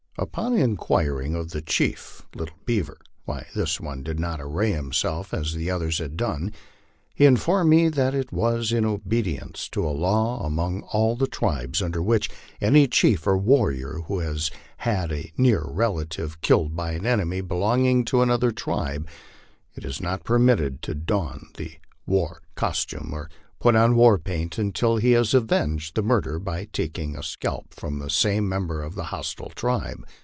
Upon inquiring of the chief, Little Beaver, why this one did not array himself as the others had done, he informed me that it was in obedience to a law among all the tribes, under which any chief or warrior who has had a near relative killed by an enemy belonging to another tribe, is not permitted to don the Avar costume or put on war paint until he has avenged the murder by taking a scalp from some member of the hostile tribe.